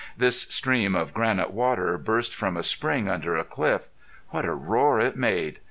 This stream of granite water burst from a spring under a cliff. What a roar it made!